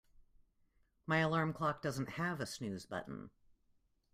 My alarm clock doesn't have a snooze button.